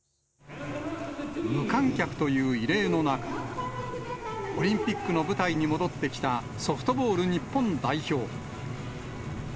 無観客という異例の中、オリンピックの舞台に戻ってきたソフトボール日本代表。